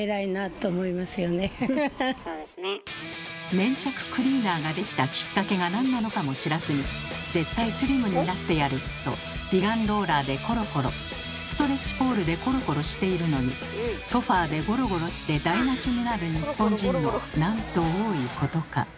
粘着クリーナーができたキッカケがなんなのかも知らずに「絶対スリムになってやる！」と美顔ローラーでコロコロストレッチポールでコロコロしているのにソファーでゴロゴロして台なしになる日本人のなんと多いことか。